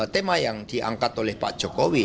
tema yang diangkat oleh pak jokowi